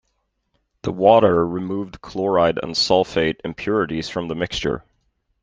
The water removed chloride and sulfate impurities from the mixture.